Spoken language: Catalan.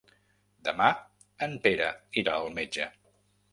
Demà en Pere irà al metge.